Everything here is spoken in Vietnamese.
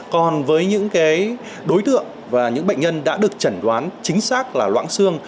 còn với những đối tượng và những bệnh nhân đã được chẩn đoán chính xác là loãng xương